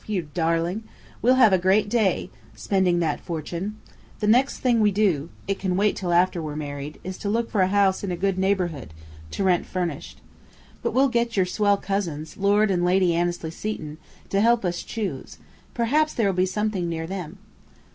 You darling! We'll have a great day spending that fortune. The next thing we do it can wait till after we're married is to look for a house in a good neighbourhood, to rent furnished. But we'll get your swell cousins, Lord and Lady Annesley Seton, to help us choose. Perhaps there'll be something near them."